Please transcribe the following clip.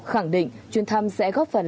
khẳng định chuyến thăm sẽ góp phần